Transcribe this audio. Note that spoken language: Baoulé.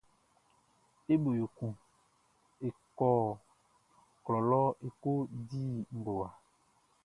E bo yo kun e kɔ klɔ lɔ e ko di ngowa.